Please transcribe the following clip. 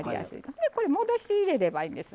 でこれ戻し入れればいいんですわ全部。